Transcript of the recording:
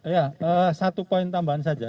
ya satu poin tambahan saja